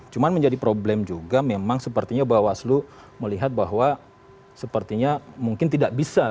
cuma menjadi problem juga memang sepertinya bawaslu melihat bahwa sepertinya mungkin tidak bisa